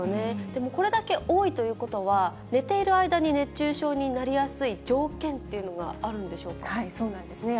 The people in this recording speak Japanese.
でもこれだけ多いということは、寝ている間に熱中症になりやすい条件っていうのがあるんでしょうそうなんですね。